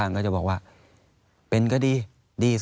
อันดับ๖๓๕จัดใช้วิจิตร